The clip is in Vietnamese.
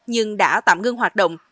nhưng đã tạm ngưng hoạt động